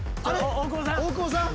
大久保さん